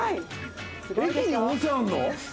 駅に温泉あるの！？